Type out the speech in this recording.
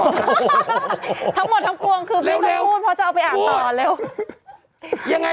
ทั้งหมดทั้งกวงคือไม่ได้พูดเพราะจะเอาไปอ่านตอน